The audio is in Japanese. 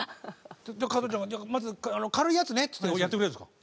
加トちゃんがまず軽いやつねってやってくれるんですか？